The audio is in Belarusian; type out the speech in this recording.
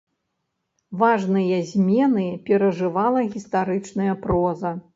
Важныя змены перажывала гістарычная проза.